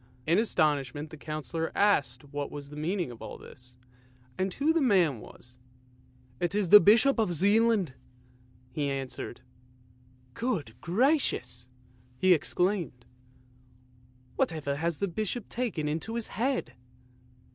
In astonishment the Councillor asked what was the meaning of all this, and who the man was? " It is the Bishop of Zealand! " he was answered. " Good gracious! " he exclaimed, " whatever has the Bishop taken into his head?